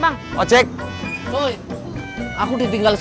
bismillahirohmanirohim mudah mudahan yang ini lancar